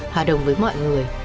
hòa đồng với mọi người